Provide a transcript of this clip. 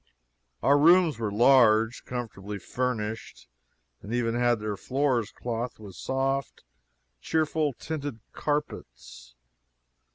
Our rooms were large, comfortably furnished, and even had their floors clothed with soft, cheerful tinted carpets.